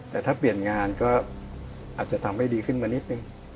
แต่ถ้าเปลี่ยนงานก็อาจจะทำให้ดีขึ้นมานิดนึง